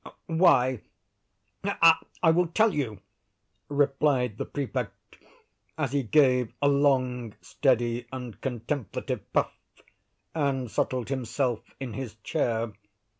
"Why, I will tell you," replied the Prefect, as he gave a long, steady and contemplative puff, and settled himself in his chair.